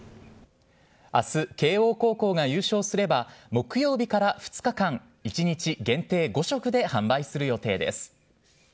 あす、慶応高校が優勝すれば、木曜日から２日間、１日限定５食で販売する予定です。